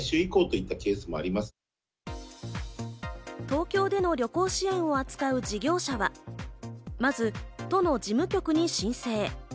東京での旅行支援を扱う事業者は、まず都の事務局に申請。